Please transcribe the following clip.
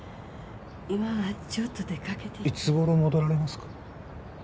今はちょっと出かけていつごろ戻られますか？